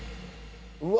うわ！